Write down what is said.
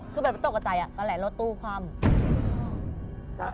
คือแบบตกกับใจอ่ะตอนแหละเราตู้คว่ำ